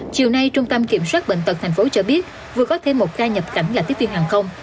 chiều nay trung tâm kiểm soát bệnh tật tp hcm cho biết vừa có thêm một ca nhập cảnh là tiếp viên hàng không